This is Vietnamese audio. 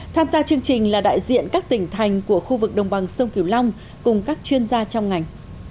tham gia chương trình là đại diện các tỉnh thành của khu vực đồng bằng sông kiều long cùng các chuyên gia trong ngành